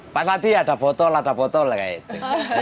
pak sladi ya ada botol ada botol kayak gitu